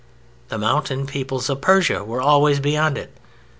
The mountain peoples of Persia were always beyond it.